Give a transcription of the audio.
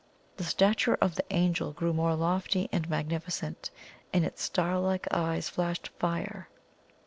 The stature of the Angel grew more lofty and magnificent, and its star like eyes flashed fire.